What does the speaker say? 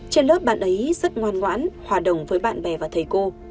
trên lớp bạn ấy rất ngoan ngoãn hòa đồng với bạn bè và thầy cô